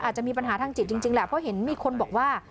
อาจจะมีปัญหาทางจิตจริงแหละเพราะเห็นมีคนบอกว่า